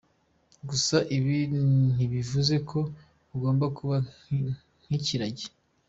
Gusa ibi ntibivuze ko ugomba kuba nk'ikiragi.